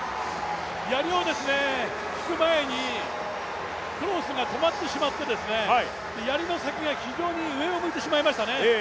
やりを引く前にクロスが止まってしまってやりの先が非常に上を向いてしまいましたね。